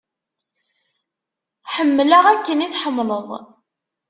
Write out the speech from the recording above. Ḥemmleɣ akken i tḥemmleḍ.